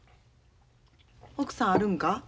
奥さんあるんか？